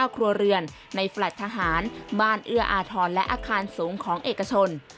ครัวเรือนในแฟลต์ทหารบ้านเอื้ออาทรและอาคารสูงของเอกชน